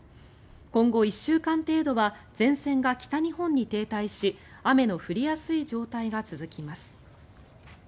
今後１週間程度は前線が北日本に停滞し雨の降りやすい状態が続きます。